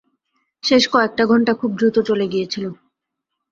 শেষ কয়েকটা ঘন্টা খুব দ্রুত চলে গিয়েছিল।